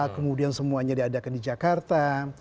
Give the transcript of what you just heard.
kemudian semuanya diadakan di jakarta